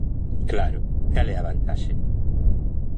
Claro, ¿cal é a vantaxe?